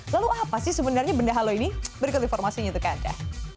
lalu apa sih sebenarnya benda halo ini berikut informasinya untuk anda